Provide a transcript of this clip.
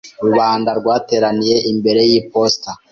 Rubanda rwateraniye imbere yiposita.